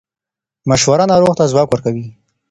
مشوره ناروغ ته ځواک ورکوي.